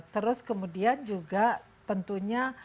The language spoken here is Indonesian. terus kemudian juga tentunya